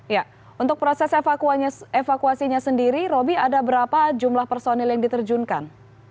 ya untuk proses evakuasinya sendiri roby ada berapa jumlah personil yang diterjunkan